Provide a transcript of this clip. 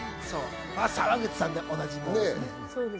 沢口さんでお馴染みです。